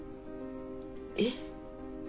えっ？